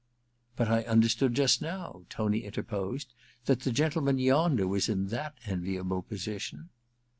*But I understood just now,' Tony inter posed, * that the gentleman yonder was in that enviable position.